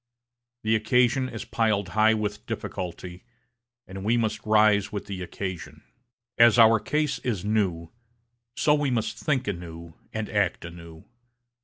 The occasion is piled high with difficulty, and we must rise with the occasion. As our case is new, so we must think anew and act anew.